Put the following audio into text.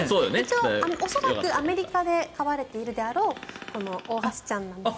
恐らくアメリカで飼われているであろうオオハシちゃんです。